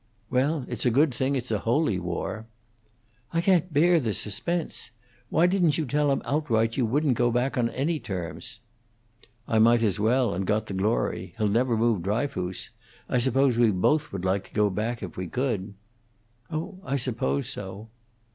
"Well, it's a good thing it's a holy war." "I can't bear the suspense. Why didn't you tell him outright you wouldn't go back on any terms?" "I might as well, and got the glory. He'll never move Dryfoos. I suppose we both would like to go back, if we could." "Oh, I suppose so."